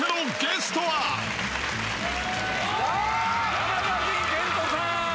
山賢人さん！